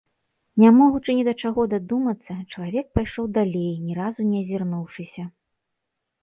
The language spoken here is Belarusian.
Не могучы ні да чаго дадумацца, чалавек пайшоў далей, ні разу не азірнуўшыся.